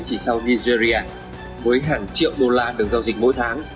chỉ sau nigeria với hàng triệu đô la được giao dịch mỗi tháng